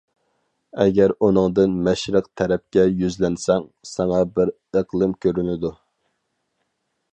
ئەگەر ئۇنىڭدىن مەشرىق تەرەپكە يۈزلەنسەڭ، ساڭا بىر ئىقلىم كۆرۈنىدۇ.